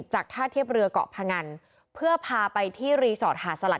จากท่าเทียบเรือเกาะพงันเพื่อพาไปที่รีสอร์ทหาสลัด